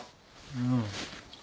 うん。